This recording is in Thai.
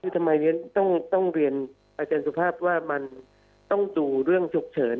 ทำไมต้องเรียนอาจารย์สุภาพว่ามันต้องดูเรื่องฉุกเฉิน